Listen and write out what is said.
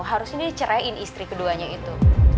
harusnya ceraiin istri keduanya itu